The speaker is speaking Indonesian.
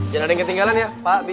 jangan ada yang ketinggalan ya pak